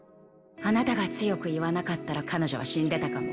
あなたが強く言わなかったら彼女は死んでたかも。